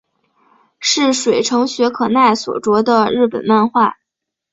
是水城雪可奈所着的日本漫画。